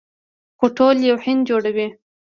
خو ټول یو هند جوړوي.